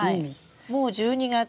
もう１２月。